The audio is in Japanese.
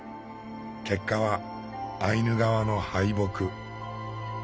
結果はアイヌ側の敗北。